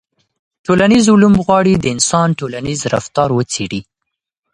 ټولنیز علوم غواړي د انسان ټولنیز رفتار وڅېړي.